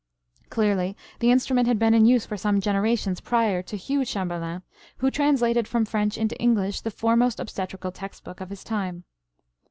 Clearly the instrument had been in use for some generations prior to Hugh Chamberlen, who translated from French into English the foremost obstetrical textbook of his time.